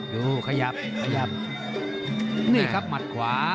ถึงหมัดขวา